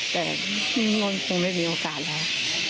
แต่มีเงินคงไม่มีโอกาสแล้ว